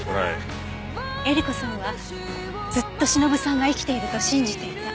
えり子さんはずっとしのぶさんが生きていると信じていた。